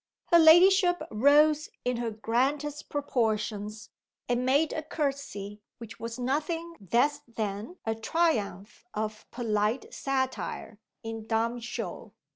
Her ladyship rose in her grandest proportions, and made a courtesy which was nothing less than a triumph of polite satire in dumb show.